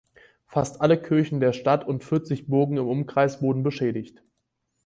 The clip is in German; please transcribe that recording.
Fast alle Kirchen der Stadt und vierzig Burgen im Umkreis wurden beschädigt.